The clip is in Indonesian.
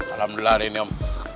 alhamdulillah ada ini om